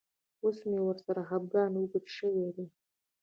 اوس مې ورسره خپګان اوږد شوی دی.